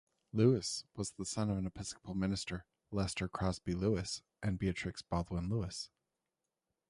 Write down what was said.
Lewis was son of Episcopal minister Leicester Crosby Lewis and Beatrix Baldwin Lewis.